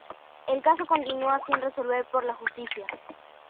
El caso continua sin resolver por la justicia.